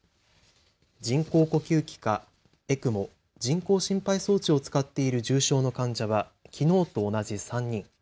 人工呼吸器かＥＣＭＯ・人工心肺装置を使っている重症の患者はきのうと同じ３人。